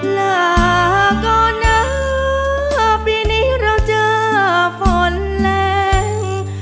ลาก่อนนะปีนี้เราเจอฝนแรง